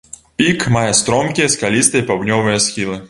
Пік мае стромкія скалістыя паўднёвыя схілы.